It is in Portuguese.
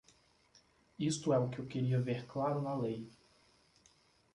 Isto é o que eu queria ver claro na lei.